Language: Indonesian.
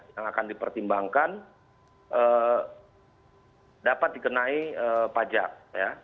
yang akan dipertimbangkan dapat dikenai pajak ya